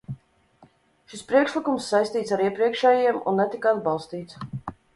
Šis priekšlikums saistīts ar iepriekšējiem un netika atbalstīts.